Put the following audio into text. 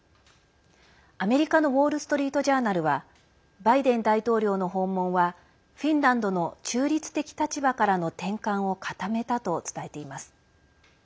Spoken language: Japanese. アメリカのウォール・ストリート・ジャーナルはバイデン大統領の訪問はフィンランドの中立的立場からの転換を固めたと伝えています。